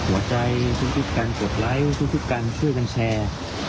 หัวใจทุกการกดไลค์ทุกการช่วยกันแชร์